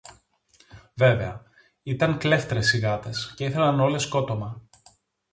Βέβαια, ήταν κλέφτρες οι γάτες, και ήθελαν όλες σκότωμα